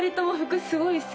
おすごい。